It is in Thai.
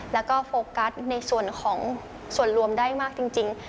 แล้วก็โฟกัสในส่วนของส่วนรวมได้มากจริง